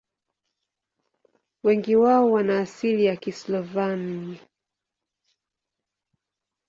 Wengi wao wana asili ya Kislavoni.